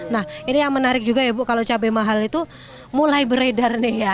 nah ini yang menarik juga ya bu kalau cabai mahal itu mulai beredar nih ya